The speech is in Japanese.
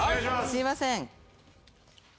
すいません。